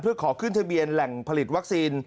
เพื่อขอขึ้นทะเบียนแหล่งผลิตวัคซีน